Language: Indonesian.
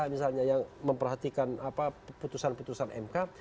misalnya yang memperhatikan putusan putusan mk